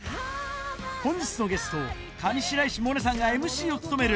本日のゲスト上白石萌音さんがＭＣを務める